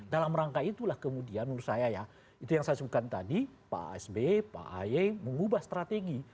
dalam rangka itulah kemudian menurut saya ya itu yang saya sukakan tadi pak asb pak ah yei mengubah strategi